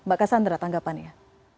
mbak kassandra tanggapannya